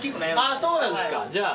ああそうなんですかじゃあ。